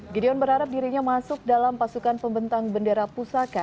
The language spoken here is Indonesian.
gideon berharap dirinya masuk dalam pasukan pembentang bendera pusaka